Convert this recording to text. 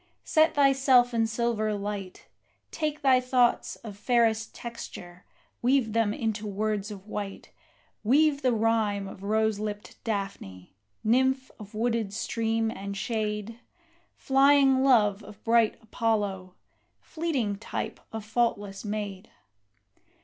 Set thyself in silver light, Take thy thoughts of fairest texture, weave them into words of white Weave the rhyme of rose lipped Daphne, nymph of wooded stream and shade, Flying love of bright Apollo, fleeting type of faultless maid!